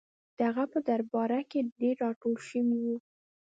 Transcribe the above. د هغه په درباره کې ډېر راټول شوي وو.